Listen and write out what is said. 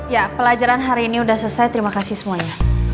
ya pelajaran hari ini sudah selesai terima kasih semuanya